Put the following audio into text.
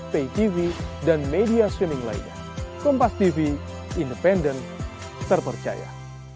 ptv dan media streaming lainnya kompas tv independen terpercaya